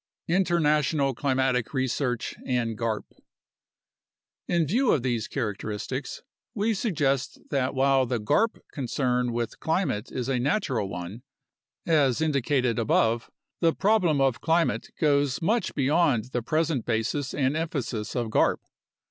International Climatic Research and GARP In view of these characteristics, we suggest that while the garp concern with climate is a natural one, as indicated above the problem of climate A NATIONAL CLIMATIC RESEARCH PROGRAM 107 goes much beyond the present basis and emphasis of garp.